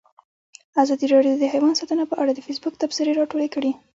ازادي راډیو د حیوان ساتنه په اړه د فیسبوک تبصرې راټولې کړي.